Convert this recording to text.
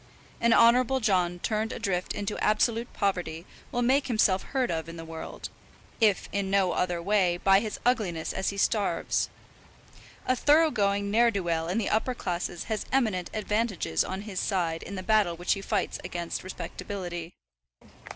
An Honourable John turned adrift into absolute poverty will make himself heard of in the world, if in no other way, by his ugliness as he starves. A thorough going ne'er do well in the upper classes has eminent advantages on his side in the battle which he fights against respectability.